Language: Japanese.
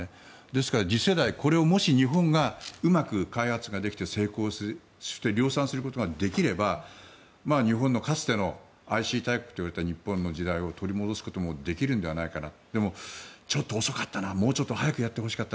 ですから、次世代、これをもし日本がうまく開発ができて成功して量産することができれば日本のかつてのＩＴ大国といわれた日本の時代を取り戻すこともできるのではないかな。